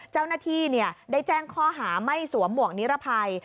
เจ้าหน้าที่ได้แจ้งข้อหาไม่สวมหมวกนิรภัย